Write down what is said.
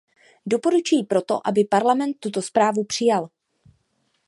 Doporučuji proto, aby Parlament tuto zprávu přijal.